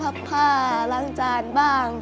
พักผ้าร้างจานบ้าง